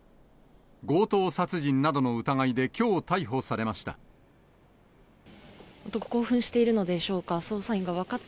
強盗殺人などの疑いできょう逮捕されました。